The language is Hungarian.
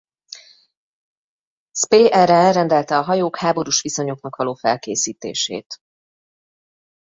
Spee erre elrendelte a hajók háborús viszonyoknak való felkészítését.